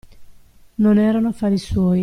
Non erano affari suoi.